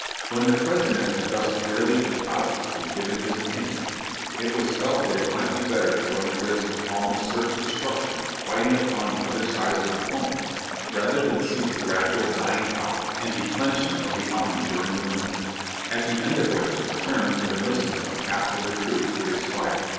/O JOHNNY RKB and BIIvIvY YANK When the President had thus clearly and positively given his opinion, it was felt that it might be better to run the risk of almost certain destruction fighting upon the other side of the Potomac, rather than see the gradual dying out and declension of the army during the winter, at the end of which the terms of enlistment of half of the troops would expire.